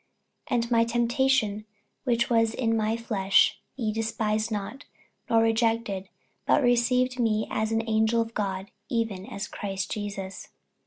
48:004:014 And my temptation which was in my flesh ye despised not, nor rejected; but received me as an angel of God, even as Christ Jesus.